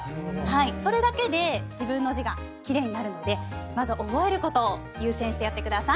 それだけで自分の字が奇麗になるのでまず覚えることを優先してやってください。